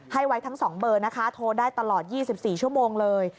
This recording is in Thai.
ให้ไว้ทั้ง๒เบอร์นะคะโทรได้ตลอด๒๔ชั่วโมงเลย